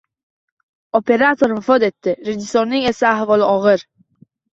Operator vafot etdi, rejissorning esa ahvoli og‘ir